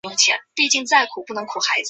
西至疏勒千里。